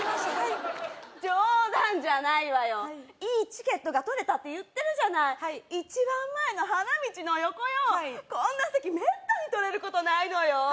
チケットが取れたって言ってるじゃない一番前の花道の横よはいこんな席めったに取れることないのよ